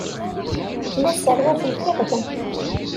La sserwatent irden.